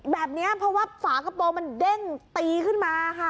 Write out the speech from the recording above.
แบบนี้เพราะว่าฝากระโปรงมันเด้งตีขึ้นมาค่ะ